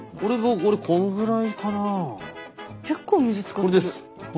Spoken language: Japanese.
これです。